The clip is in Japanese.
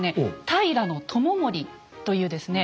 平知盛というですね